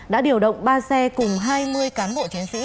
đã điều động ba xe cùng hai mươi cán bộ chiến sĩ